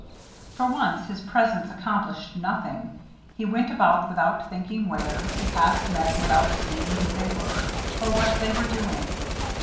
For once, his presence accomplished nothing. He went about without thinking where; he passed men without seeing who they were or what they were doing.